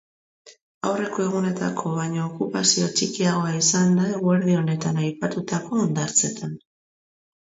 Aurreko egunetako baino okupazio txikiagoa izan da eguerdi honetan aipatutako hondartzetan.